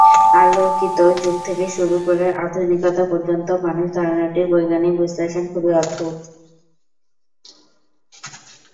আলোকিত যুগ থেকে শুরু করে আধুনিকতা পর্যন্ত "মানুষ" ধারণাটির বৈজ্ঞানিক বিশ্লেষণ খুবই অদ্ভুত।